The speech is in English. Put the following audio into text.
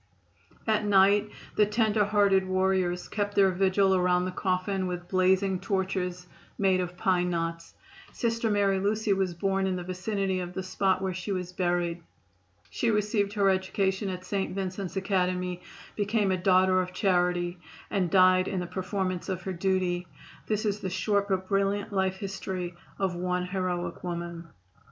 At night the tender hearted warriors kept their vigil around the coffin with blazing torches made of pine knots. Sister Mary Lucy was born in the vicinity of the spot where she was buried. She received her education at St. Vincent's Academy, became a Daughter of Charity and died in the performance of her duty. This is the short but brilliant life history of one heroic woman.